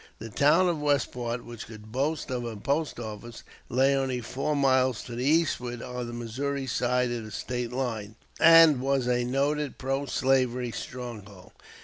The town of Westport, which could boast of a post office, lay only four miles to the eastward, on the Missouri side of the State line, and was a noted pro slavery stronghold.